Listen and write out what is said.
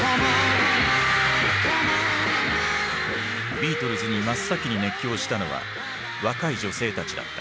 ビートルズに真っ先に熱狂したのは若い女性たちだった。